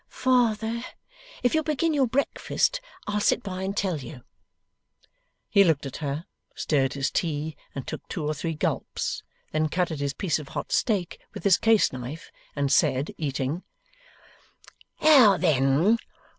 'Father, if you'll begin your breakfast, I'll sit by and tell you.' He looked at her, stirred his tea and took two or three gulps, then cut at his piece of hot steak with his case knife, and said, eating: 'Now then.